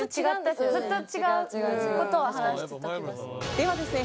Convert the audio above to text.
ではですね